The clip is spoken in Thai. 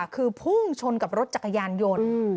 คือพุ่งชนกับรถจักรยานยนต์